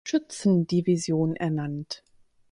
Schützendivision ernannt.